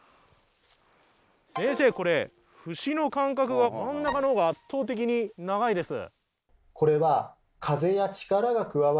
先生これ節の間隔が真ん中の方が圧倒的に長いです。